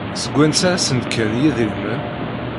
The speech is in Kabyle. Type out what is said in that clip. Seg wansi ay asen-d-kkan yidrimen?